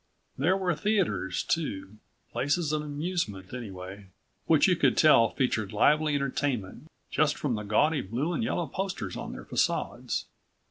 There were theaters too places of amusement, anyway which you could tell featured lively entertainment just from the gaudy blue and yellow posters on their facades.